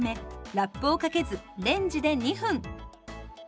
ラップをかけずレンジで２分。